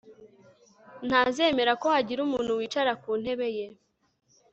Ntazemera ko hagira umuntu wicara ku ntebe ye